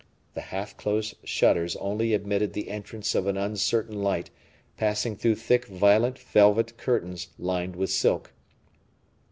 The half closed shutters only admitted the entrance of an uncertain light passing through thick violet velvet curtains lined with silk.